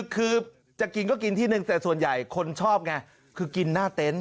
คือจะกินก็กินที่หนึ่งแต่ส่วนใหญ่คนชอบไงคือกินหน้าเต็นต์